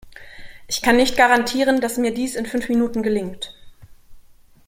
Ich kann nicht garantieren, dass mir dies in fünf Minuten gelingt.